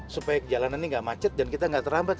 supaya jalanan ini nggak macet dan kita nggak terlambat